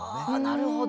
なるほど。